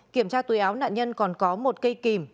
kiểm tra tùy áo nạn nhân còn có một cây kìm